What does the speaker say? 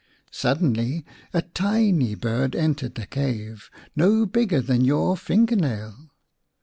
Suddenly a tiny bird entered the cave, no bigger than your finger nail.